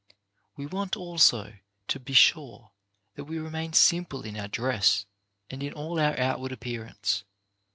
We want, also, to be sure that we remain simple in our dress and in all our outward appearance.